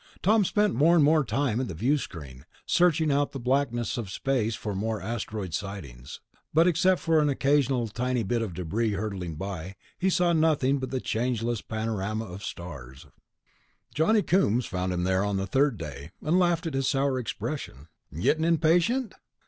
Tom spent more and more time at the viewscreen, searching the blackness of space for more asteroid sightings. But except for an occasional tiny bit of debris hurtling by, he saw nothing but the changeless panorama of stars. Johnny Coombs found him there on the third day, and laughed at his sour expression. "Gettin' impatient?"